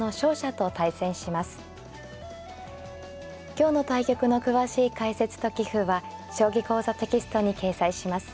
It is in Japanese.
今日の対局の詳しい解説と棋譜は「将棋講座」テキストに掲載します。